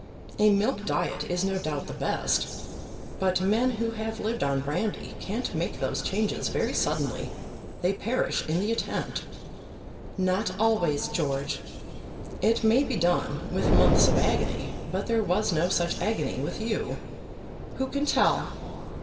A milk diet is no doubt the best. But men who have lived on brandy can't make those changes very suddenly. They perish in the attempt." "Not always, George." "It may be done with months of agony; but there was no such agony with you." "Who can tell?"